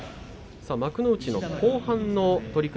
幕内の後半の取組